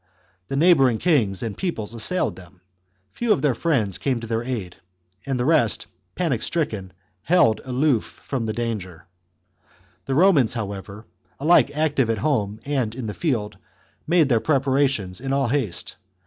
The neighbouring kings and peoples assailed them, 6 THE CONSPIRACY OF CATILINE. CHAP, few of their friends came to their aid, the rest, panic stricken, held aloof from the danger. The Romans, however, alike active at home and in the field, made their preparations in all haste.